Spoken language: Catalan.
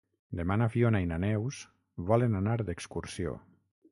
Demà na Fiona i na Neus volen anar d'excursió.